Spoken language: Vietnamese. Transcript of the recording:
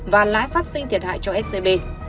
và lái phát sinh thiệt hại cho scb